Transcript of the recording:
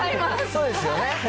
そうですよね。